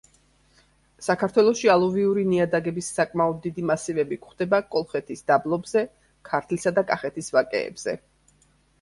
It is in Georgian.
საქართველოში ალუვიური ნიადაგების საკმაოდ დიდი მასივები გვხვდება კოლხეთის დაბლობზე, ქართლისა და კახეთის ვაკეებზე.